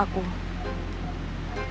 aku gak mau keluar